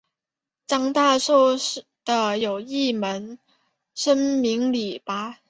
张大受的有一门生名李绂。